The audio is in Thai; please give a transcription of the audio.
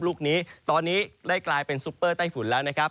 ลูกนี้ตอนนี้ได้กลายเป็นซุปเปอร์ไต้ฝุ่นแล้วนะครับ